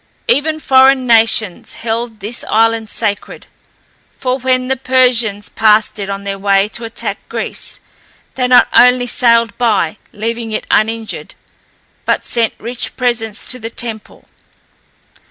Even foreign nations held this island sacred, for when the Persians passed it on their way to attack Greece, they not only sailed by, leaving it uninjured, but sent rich presents to the temple.